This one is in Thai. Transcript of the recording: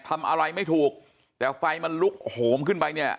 ทำอะไรไม่ถูกแต่ไฟมันลุกโหมขึ้นไปเนี่ย